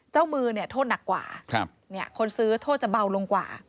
เจ้ามือเนี่ยโทษหนักกว่าคนซื้อโทษจะเบาลงกว่า